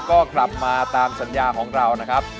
ก็กลับมาตามสัญญาของเรานะครับ